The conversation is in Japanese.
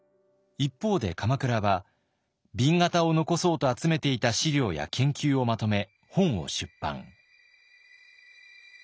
一方で鎌倉は紅型を残そうと集めていた資料や研究をまとめ本を出版。